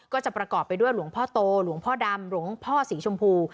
ก็จะประกอบไปด้วยหลวงพ่อโตหลวงพ่อดำหลวงพ่อสีชมพู